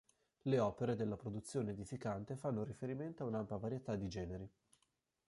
Le opere della produzione edificante fanno riferimento a un'ampia varietà di generi.